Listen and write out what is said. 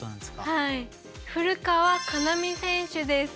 はい古川佳奈美選手です。